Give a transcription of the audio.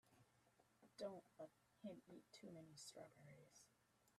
Don't let him eat too many strawberries.